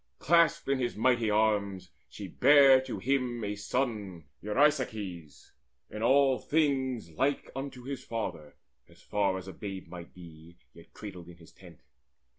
Clasped in his mighty arms, she bare to him A son Eurysaces, in all things like Unto his father, far as babe might be Yet cradled in his tent.